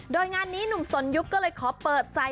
โดยงานนี้หนุ่มสนยุคก็เลยขอเปิดใจ